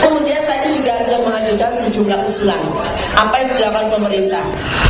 kemudian tadi juga ada mengajukan sejumlah kesulangan apa yang diberikan pemerintah